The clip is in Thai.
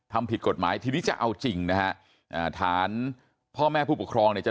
ทำผิดกฎหมายทีนี้จะเอาจริงนะฮะอ่าฐานพ่อแม่ผู้ปกครองเนี่ยจะ